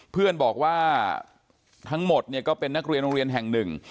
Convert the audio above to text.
เพื่อนบอกว่าทั้งหมดเนี่ยก็เป็นนักเรียนโรงเรียนแห่งหนึ่ง